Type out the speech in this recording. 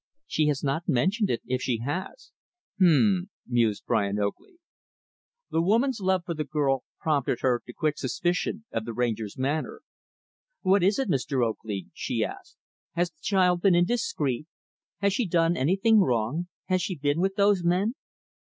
"She has not mentioned it, if she has." "H m m," mused Brian Oakley. The woman's love for the girl prompted her to quick suspicion of the Ranger's manner. "What is it, Mr. Oakley?" she asked. "Has the child been indiscreet? Has she done anything wrong? Has she been with those men?"